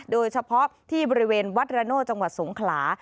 โดยเฉพาะที่บริเวณวัดระโน่จังหวัดสงขลา